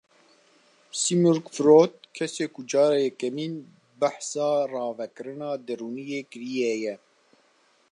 Sigmund Freud kesê ku cara yekemîn behsa ravekirina derûniyê kiriye ye.